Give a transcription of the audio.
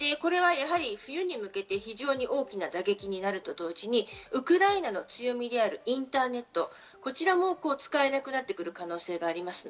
冬に向けて非常に大きな打撃になると同時にウクライナの強みであるインターネット、こちらも使えなくなってくる可能性があります。